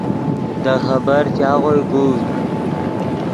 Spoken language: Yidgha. دے خبر چاغوئے گوڤد